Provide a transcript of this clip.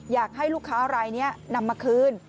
อยากให้ลูกค้ารายนี้นำมาคืน